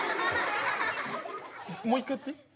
もう一回やっていい？